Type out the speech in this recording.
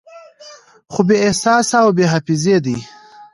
خو بې احساسه او بې حافظې ده